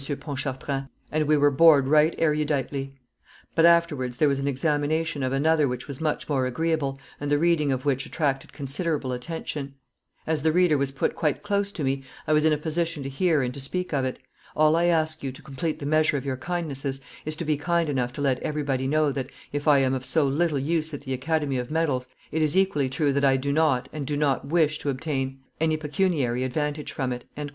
Pontchartrain, "and we were bored right eruditely; but afterwards there was an examination of another which was much more agreeable, and the reading of which attracted considerable attention. As the reader was put quite close to me, I was in a position to hear and to speak of it. All I ask you, to complete the measure of your kindnesses, is to be kind enough to let everybody know that, if I am of so little use at the Academy of Medals, it is equally true that I do not and do not wish to obtain any pecuniary advantage from it."